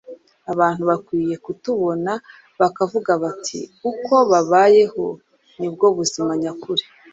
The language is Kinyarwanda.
Abantu bakwiye kutubona bakavuga bati “uko babayeho ni bwo buzima nyakuri.”